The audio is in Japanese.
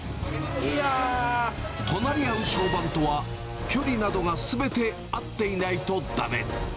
隣り合う床版とは、距離などがすべて合っていないとだめ。